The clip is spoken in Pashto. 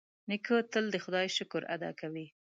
نیکه تل د خدای شکر ادا کوي.